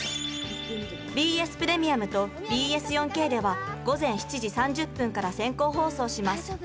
ＢＳプレミアムとＢＳ４Ｋでは午前７時３０分から先行放送します。